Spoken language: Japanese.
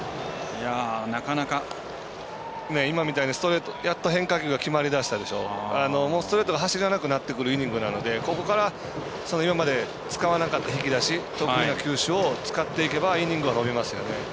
今みたいにやっと変化球が決まり始めてもうストレートが走らなくなってくるイニングなのでここから、今まで使わなかった引き出し得意な球種を使っていけばイニングは伸びますよね。